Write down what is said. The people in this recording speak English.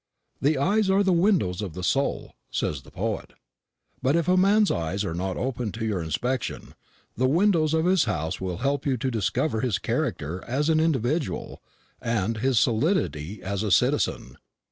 The eyes are the windows of the soul, says the poet; but if a man's eyes are not open to your inspection, the windows of his house will help you to discover his character as an individual, and his solidity as a citizen.